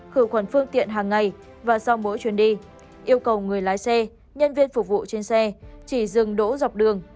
khử khuẩn phương tiện hàng ngày và sau mỗi chuyến đi yêu cầu người lái xe nhân viên phục vụ trên xe chỉ dừng đỗ dọc đường